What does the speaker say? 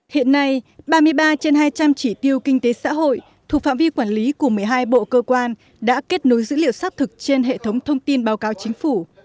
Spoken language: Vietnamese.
hiện nay ba mươi ba trên hai trăm linh chỉ tiêu kinh tế xã hội thuộc phạm vi quản lý của một mươi hai bộ cơ quan đã kết nối dữ liệu xác thực trên hệ thống thông tin báo cáo chính phủ